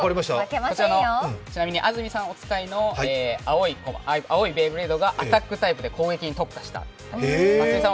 ちなみに安住さんお使いの青いベイブレードがアタックタイプで攻撃に特化した、松田さん